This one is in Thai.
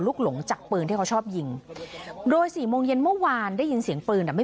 เพราะว่านายอุทิศมีพฤทธิ์ในการเสพยาเสพติด